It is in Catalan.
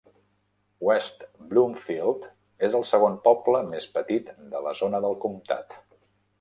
West Bloomfield és el segon poble més petit de la zona del comtat.